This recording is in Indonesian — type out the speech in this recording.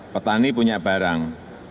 petani punya barang